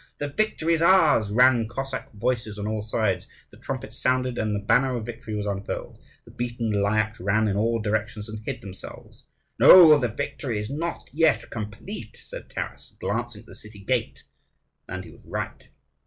"The victory is ours!" rang Cossack voices on all sides; the trumpets sounded and the banner of victory was unfurled. The beaten Lyakhs ran in all directions and hid themselves. "No, the victory is not yet complete," said Taras, glancing at the city gate; and he was right.